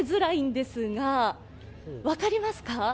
分かりますか？